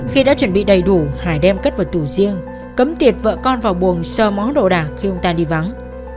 khi đã chuẩn bị đầy đủ hải đem cất vật tủ riêng cấm tiệt vợ con vào buồng sơ mó đổ đảng khi ông ta đi vắng